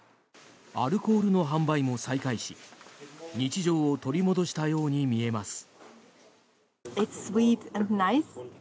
アルコールの販売も再開し日常を取り戻したようにも見えます。